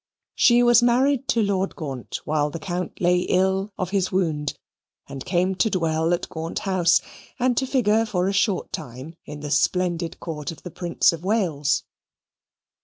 She was married to Lord Gaunt while the Count lay ill of his wound, and came to dwell at Gaunt House, and to figure for a short time in the splendid Court of the Prince of Wales.